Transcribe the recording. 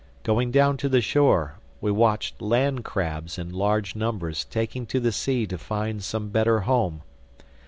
Going down to the shore, we watched land crabs in large numbers taking to the sea to find some better home.